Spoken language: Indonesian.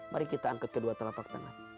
mari kita angkat kedua telapak tangan